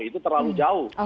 itu terlalu jauh